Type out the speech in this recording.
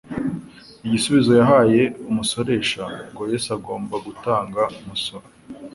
Igisubizo yahaye umusoresha ngo Yesu agomba gutanga umusoro,